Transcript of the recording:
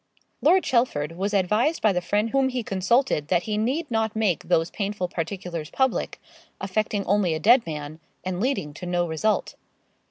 Lord Chelford was advised by the friend whom he consulted that he need not make those painful particulars public, affecting only a dead man, and leading to no result.